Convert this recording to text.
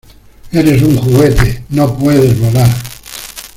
¡ Eres un juguete! ¡ no puedes volar !